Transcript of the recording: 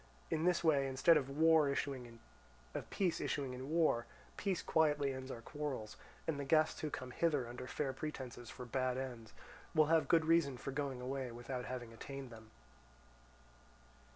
In this way instead of war issuing in war, peace quietly ends our quarrels; and the guests who come hither under fair pretences for bad ends, will have good reason for going away without having attained them.